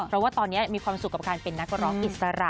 เพราะว่าตอนนี้มีความสุขกับการเป็นนักร้องอิสระ